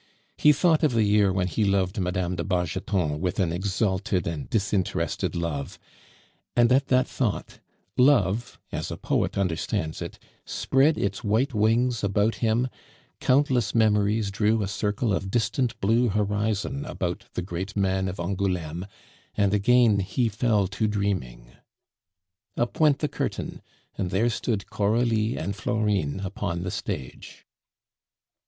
He thought of the year when he loved Mme. de Bargeton with an exalted and disinterested love; and at that thought love, as a poet understands it, spread its white wings about him; countless memories drew a circle of distant blue horizon about the great man of Angouleme, and again he fell to dreaming. Up went the curtain, and there stood Coralie and Florine upon the stage.